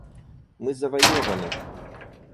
Мы завоеваны!